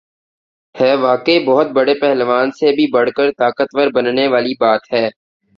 ہ واقعی بہت بڑے پہلوان سے بھی بڑھ کر طاقت ور بننے والی بات ہے۔